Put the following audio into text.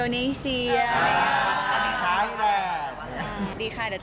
ออกงานอีเวนท์ครั้งแรกไปรับรางวัลเกี่ยวกับลูกทุ่ง